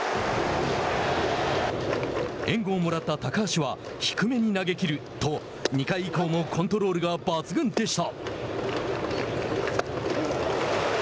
援護をもらった高橋は「低めに投げきる」と２回以降もコントロールが抜群でした。